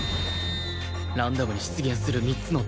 ランダムに出現する３つのダミー